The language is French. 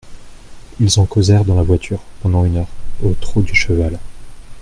Ils en causèrent dans la voiture, pendant une heure, au trot du cheval.